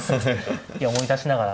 思い出しながら。